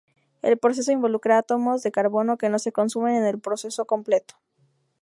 El proceso involucra átomos de carbono que no se consumen en el proceso completo.